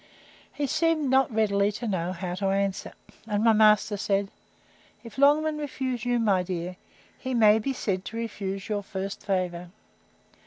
He seemed not readily to know how to answer; and my master said, If Longman refuse you, my dear, he may be said to refuse your first favour.